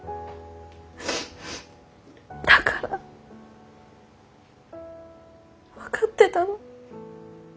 だから分かってたの。